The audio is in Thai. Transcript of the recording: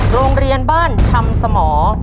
โรงเรียนบ้านชำสมอ